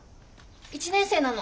１年生なの。